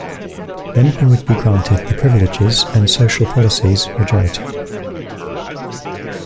Then he would be granted the privileges and social policies majority.